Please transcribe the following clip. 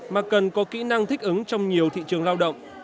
mà cần có kỹ năng thích ứng trong nhiều thị trường lao động